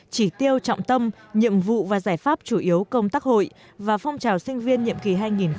chỉ tiêu trọng tâm nhiệm vụ và giải pháp chủ yếu công tác hội và phong trào sinh viên nhiệm kỳ hai nghìn hai mươi hai nghìn hai mươi một